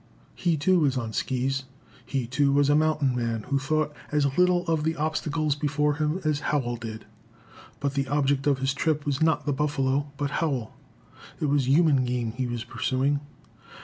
He too was on skis. He too was a mountain man, who thought as little of the obstacles before him as Howell did. But the object of his trip was not the buffalo, but Howell. It was human game he was pursuing.